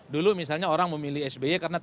dulu misalnya orang memilih sby karena